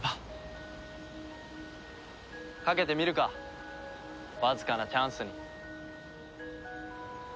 かけてみるかわずかなチャンスに。